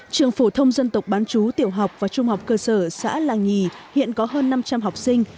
trường phổ thông dân tộc bán chú tiểu học và trung học cơ sở xã làng nhì hiện có hơn năm trăm linh học sinh